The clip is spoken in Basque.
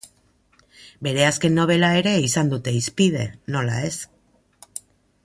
Bere azken nobela ere izan dute hizpide, nola ez.